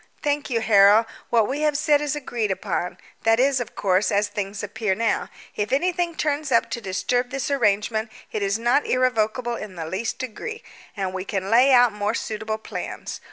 "Thank you, Harold. What we have said is agreed upon that is, of course, as things appear now: if anything turns up to disturb this arrangement it is not irrevocable in the least degree, and we can lay out more suitable plans.